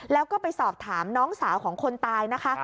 แล้วก็ไปสอบถามน้องสาวของคนตายนะคะ